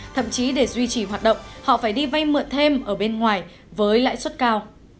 thậm chí để duy trì hoạt động họ phải đi vay mượn thêm ở bên ngoài với lãi suất cao